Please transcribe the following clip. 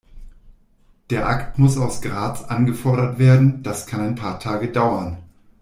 Der Akt muss aus Graz angefordert werden, das kann ein paar Tage dauern.